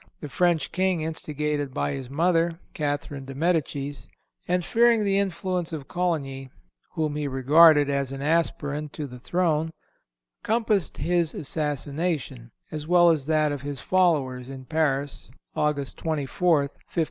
The French King, instigated by his mother, Catherine de Medicis, and fearing the influence of Coligny, whom he regarded as an aspirant to the throne, compassed his assassination, as well as that of his followers in Paris, August 24th, 1572.